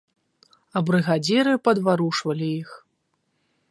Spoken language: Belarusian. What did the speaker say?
А брыгадзіры падварушвалі іх.